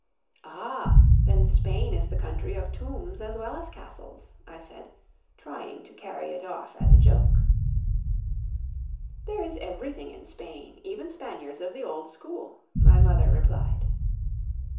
"Ah! then Spain is the country of tombs as well as castles?" I said, trying to carry it off as a joke. "There is everything in Spain, even Spaniards of the old school," my mother replied.